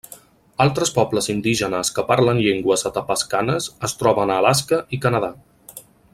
Altres pobles indígenes que parlen llengües atapascanes es troben a Alaska i Canada.